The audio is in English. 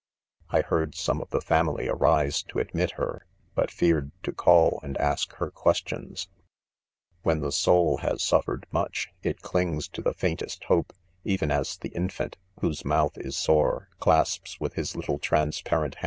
Ilreard' some of the family arise to ad mit her, but feared to call and ask her ques° tlons, f 6 When the soul has, suffered much, it clings 'to the faintest hope, even, as the infant, whose mouthis; sore^ :claspsiwith his little transparent